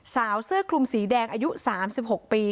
โปรดติดตามต่อไป